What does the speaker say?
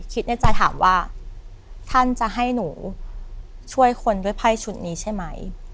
ในใจถามว่าท่านจะให้หนูช่วยคนด้วยไพ่ชุดนี้ใช่ไหม